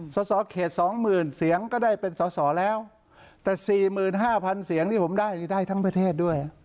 สอสอเขตสองหมื่นเสียงก็ได้เป็นสอสอแล้วแต่สี่หมื่นห้าพันเสียงที่ผมได้ได้ทั้งประเทศด้วย